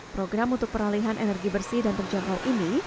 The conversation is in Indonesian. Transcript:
program untuk peralihan energi bersih dan terjangkau ini